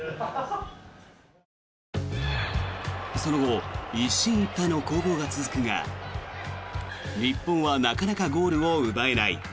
その後一進一退の攻防が続くが日本はなかなかゴールを奪えない。